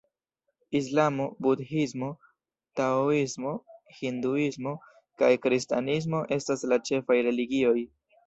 Islamo, Budhismo, Taoismo, Hinduismo kaj Kristanismo estas la ĉefaj religioj.